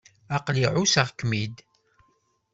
Aql-i ɛusseɣ-kem-id.